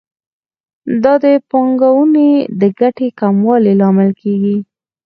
دا د پانګونې د ګټې د کموالي لامل کیږي.